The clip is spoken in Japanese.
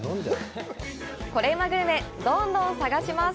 コレうまグルメ、どんどん探します！